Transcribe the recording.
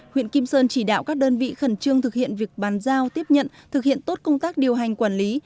huyện kim sơn chỉ đạo các đơn vị khẩn trương thực hiện việc bàn giao tiếp nhận thực hiện tốt công tác điều hành quản lý